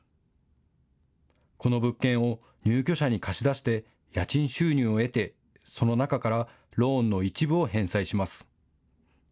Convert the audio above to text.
この物件を入居者に貸し出して家賃収入を得てその中からローンの一部を返済します。